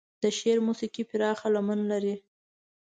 د شعر موسيقي پراخه لمن لري.